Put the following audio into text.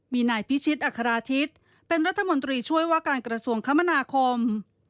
มีนายพิชิตอัคราธิตเป็นรัฐมนตรีช่วยว่าการกระทรวงคมนาคม